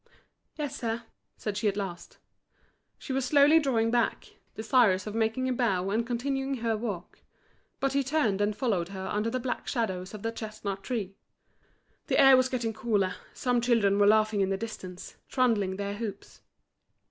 "Yes, sir," said she at last. She was slowly drawing back, desirous of making a bow and continuing her walk. But he turned and followed her under the black shadows of the chestnut trees. The air was getting cooler, some children were laughing in the distance, trundling their hoops.